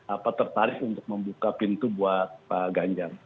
apa tertarik untuk membuka pintu buat pak ganjar